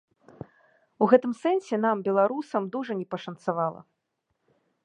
У гэтым сэнсе нам, беларусам, дужа не пашанцавала.